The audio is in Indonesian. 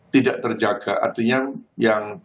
tidak terjaga artinya yang